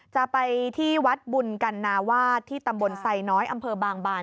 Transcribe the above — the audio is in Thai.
จะไปที่วัดบุญกันนาวาสที่ตำบลไซน้อยอำเภอบางบาน